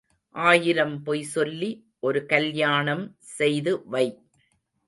ஆயிரம் பொய் சொல்லி ஒரு கல்யாணம் செய்து வை.